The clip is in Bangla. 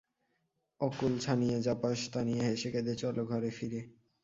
অকূল ছানিয়ে যা পাস তা নিয়ে হেসে কেঁদে চলো ঘরে ফিরে।